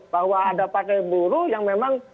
bahwa ada partai buruh yang memang